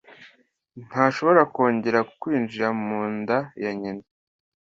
ntashobora kongera kwinjira mu nda ya nyina